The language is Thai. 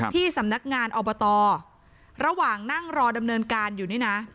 ที่สำนักงานอบตระหว่างนั่งรอดำเนินการอยู่นี่นะ